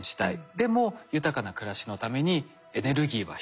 でも豊かな暮らしのためにエネルギーは必要。